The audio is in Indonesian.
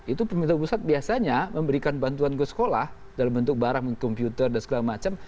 itu pemerintah pusat biasanya memberikan bantuan ke sekolah dalam bentuk barang komputer dan segala macam